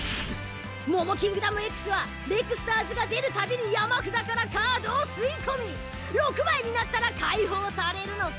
モモキングダムＸはレクスターズが出るたびに山札からカードを吸い込み６枚になったら解放されるのさ！